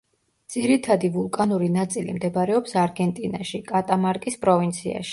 ძირითადი ვულკანური ნაწილი მდებარეობს არგენტინაში, კატამარკის პროვინციაში.